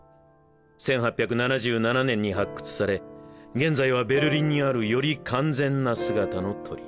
１８７７年に発掘され現在はベルリンにあるより完全な姿の鳥。